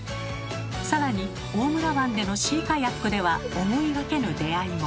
更に大村湾でのシーカヤックでは思いがけぬ出会いも。